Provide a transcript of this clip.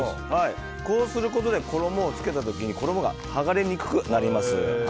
こうすることで、衣をつけた時に衣が剥がれにくくなります。